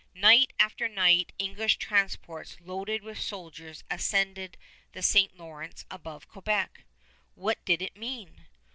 Night after night English transports loaded with soldiers ascended the St. Lawrence above Quebec. What did it mean?